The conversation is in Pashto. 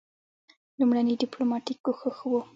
لومړنی ډیپلوماټیک کوښښ وو.